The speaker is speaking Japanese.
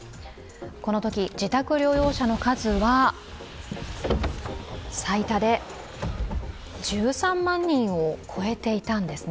このとき自宅療養者の数は最多で１３万人を超えていたんですね。